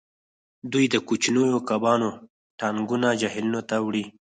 دوی د کوچنیو کبانو ټانکونه جهیلونو ته وړي